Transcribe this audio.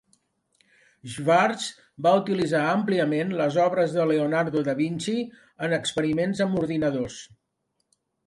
Schwartz va utilitzar àmpliament les obres de Leonardo da Vinci en experiments amb ordinadors.